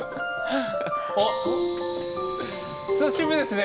おっ久しぶりですね